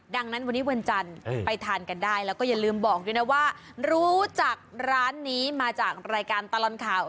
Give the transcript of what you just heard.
ดังนั้นวันนี้วันจันทร์ไปทานกันได้แล้วก็อย่าลืมบอกด้วยนะว่ารู้จักร้านนี้มาจากรายการตลอดข่าว